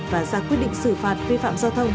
và ra quyết định xử phạt vi phạm giao thông